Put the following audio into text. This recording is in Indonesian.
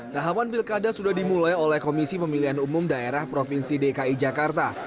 tahapan pilkada sudah dimulai oleh komisi pemilihan umum daerah provinsi dki jakarta